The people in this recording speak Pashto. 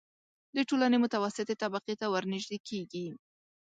د ټولنې متوسطې طبقې ته ورنژدې کېږي.